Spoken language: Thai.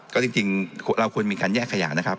ก็จริงเราควรมีการแยกขยะนะครับ